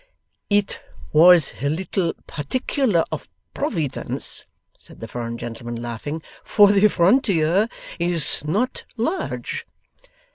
'It was a little particular of Providence,' said the foreign gentleman, laughing; 'for the frontier is not large.